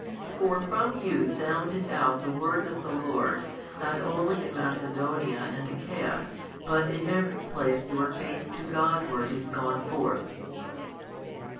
For from you sounded out the word of the Lord not only in Macedonia and Achaia, but in every place your faith to Godward is gone forth.